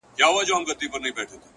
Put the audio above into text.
انساني درد تر ټولو ژور دی-